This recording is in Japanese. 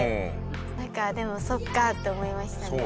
なんかでも「そっか」って思いましたね。